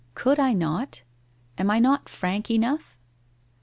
Could I not? Am I not frank enough?'